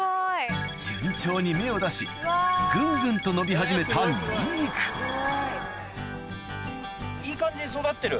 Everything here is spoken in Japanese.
順調に芽を出しぐんぐんと伸び始めたニンニクいい感じに育ってる。